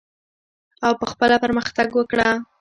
او په خپله پرمختګ وکړه.